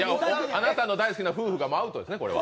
あなたの大好きな夫婦がアウトですね。